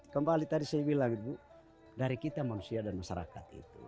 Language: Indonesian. kembali tadi saya bilang ibu dari kita manusia dan masyarakat itu